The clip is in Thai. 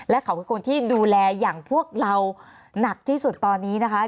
และเขาคือคนที่ดูแลอย่างพวกเราหนักที่สุดตอนนี้นะคะ